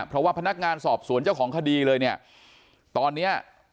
เพราะว่าพนักงานสอบสวนเจ้าของคดีเลยเนี่ยตอนเนี้ย